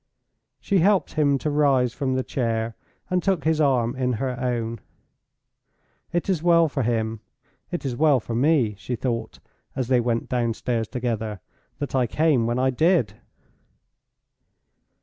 She helped him to rise from the chair, and took his arm in her own. "It is well for him; it is well for me," she thought, as they went downstairs together, "that I came when I did."